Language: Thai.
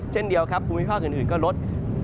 เช่นเดียวครับภูมิภาคอื่นก็ลด